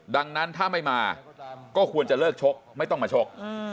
ดังนั้นถ้าไม่มาก็ควรจะเลิกชกไม่ต้องมาชก